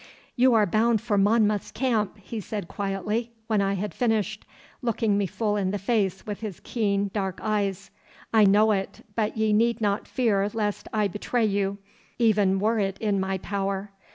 'You are bound for Monmouth's camp,' he said quietly, when I had finished, looking me full in the face with his keen dark eyes. 'I know it, but ye need not fear lest I betray you, even were it in my power.